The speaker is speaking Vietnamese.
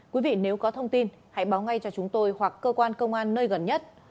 quý vị nếu có thông tin hãy báo ngay cho chúng tôi hoặc cơ quan công an nơi gần nhất